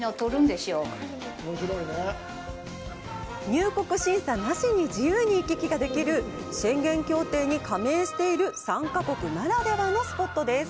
入国審査なしに自由に行き来ができるシェンゲン協定に加盟している３か国ならではのスポットです！